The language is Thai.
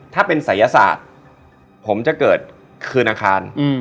ถ้าเป็นศัยศาสตร์ผมจะเกิดคืนอังคาร